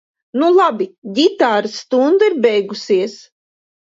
Nu labi. Ģitāras stunda ir beigusies.